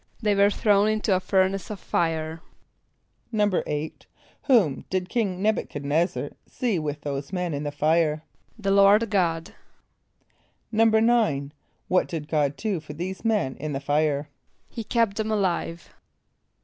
=They were thrown into a furnace of fire.= =8.= Whom did King N[)e]b u chad n[)e]z´zar see with those men in the fire? =The Lord God.= =9.= What did God do for these men in the fire? =He kept them alive.